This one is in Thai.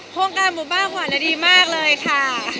โครงการหมู่บ้านขวัญดีมากเลยค่ะ